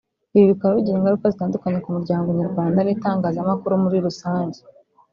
ibi bikaba bigira ingaruka zitandukanye ku muryango nyarwanda n’itangazamakuru muri rusange